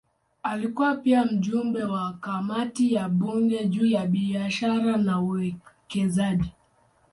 Alikuwa pia mjumbe wa kamati ya bunge juu ya biashara na uwekezaji.